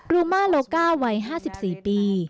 ูมาโลก้าวัย๕๔ปี